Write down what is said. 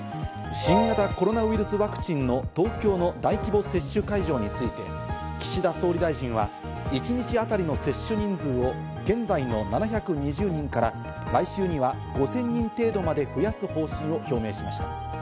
新型コロナウイルスワクチンの東京の大規模接種会場について、岸田総理大臣は一日当たりの接種人数を現在の７２０人から来週には５０００人程度まで増やす方針を表明しました。